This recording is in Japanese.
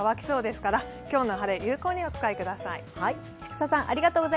今日の晴れ有効にお使いください。